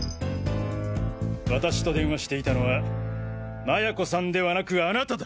私と電話していたのは麻也子さんではなくあなただ！